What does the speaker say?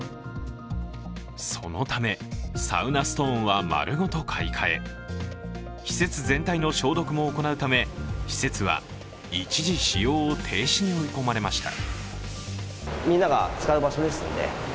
そのため、サウナストーンは丸ごと買い替え、施設全体の消毒も行うため施設は一時使用停止に追い込まれました。